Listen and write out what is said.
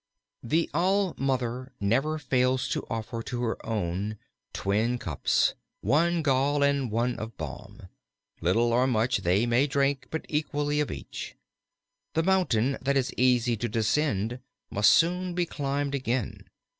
[Illustration: "WAHB SMASHED HIS SKULL."] The All mother never fails to offer to her own, twin cups, one gall, and one of balm. Little or much they may drink, but equally of each. The mountain that is easy to descend must soon be climbed again.